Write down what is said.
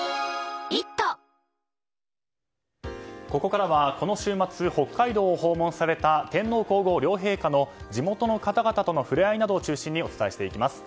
ここからはこの週末、北海道を訪問された天皇・皇后両陛下の地元の方々との触れ合いなどを中心にお伝えしていきます。